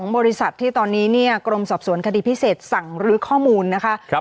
๒บริษัทที่ตอนนี้กรมสอบสวนคฎีพิเศษสั่งลึกข้อมูลนะคะ